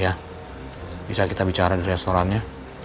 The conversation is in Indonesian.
bisa kita bicara di restorannya